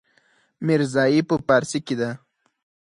ميرزايي په پارسي کې ده.